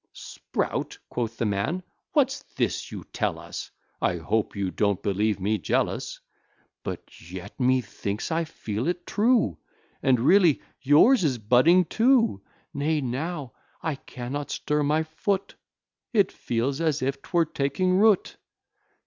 "Sprout;" quoth the man; "what's this you tell us? I hope you don't believe me jealous! But yet, methinks, I feel it true, And really yours is budding too Nay, now I cannot stir my foot; It feels as if 'twere taking root."